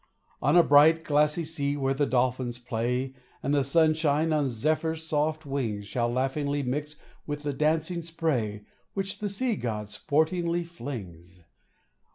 On a bright, glassy sea where the dolphins play, And the sunshine, on zephyrs' soft wings, Shall laughingly mix with the dancing spray Which the sea god sportingly flings.